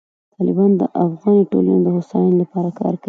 طالبان د افغاني ټولنې د هوساینې لپاره کار کوي.